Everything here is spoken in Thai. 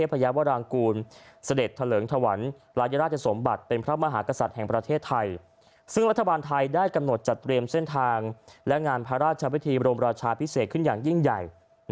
ซึ่งรัฐบาลไทยได้กำหนดจัดเตรียมเส้นทางและงานพระราชวิธีบรมราชาพิเศษขึ้นอย่างยิ่งใหญ่